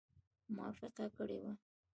موافقه کړې وه.